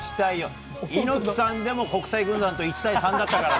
猪木さんでも国際軍団と１対３だったからな。